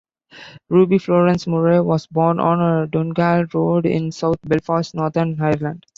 Ruby Florence Murray was born on Donegall Road in south Belfast, Northern Ireland.